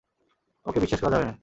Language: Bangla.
ওকে বিশ্বাস করা যাবে না।